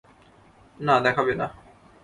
না, দেখাবে না।